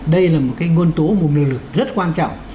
đây là một cái nguồn tố một lực lượng rất quan trọng